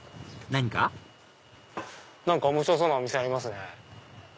何か面白そうなお店ありますね。